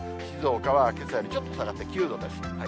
静岡はけさよりちょっと下がって９度です。